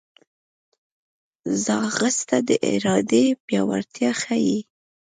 ځغاسته د ارادې پیاوړتیا ښيي